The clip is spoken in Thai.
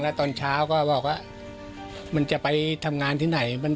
แล้วตอนเช้าก็บอกว่ามันจะไปทำงานที่ไหน